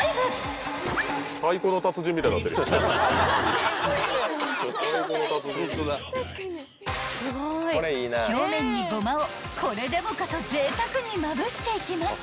［表面に胡麻をこれでもかとぜいたくにまぶしていきます］